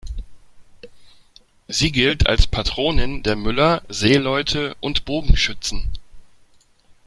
Sie gilt als Patronin der Müller, Seeleute und Bogenschützen.